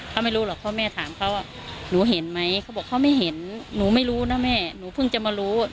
เขาไม่รู้หรอกเพราะแม่ถามเขาว่าหนูเห็นไหมเขาบอกเขาไม่เห็นหนูไม่รู้นะแม่หนูเพิ่งจะมารู้